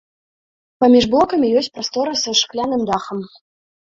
Паміж блокамі ёсць прастора са шкляным дахам.